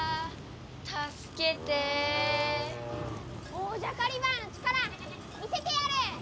オージャカリバーの力見せてやる！